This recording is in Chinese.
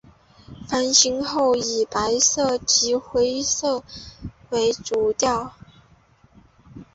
翻新后以白色及灰色为主调。